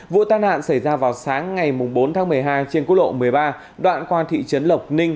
vụ tai nạn xảy ra vào sáng ngày bốn tháng một mươi hai trên quốc lộ một mươi ba đoạn qua thị trấn lộc ninh